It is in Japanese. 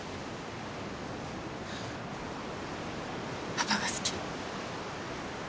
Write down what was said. パパが好き？